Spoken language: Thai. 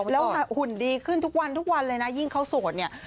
แล้วหุ่นดีขึ้นทุกวันทุกวันเลยนะยิ่งเขาโสดเนี่ย